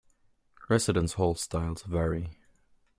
Residence hall styles vary.